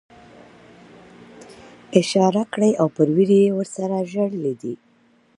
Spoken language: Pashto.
اشاره کړې او پر ویر یې ورسره ژړلي دي ,